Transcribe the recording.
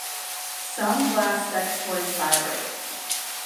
Some glass sex toys vibrate.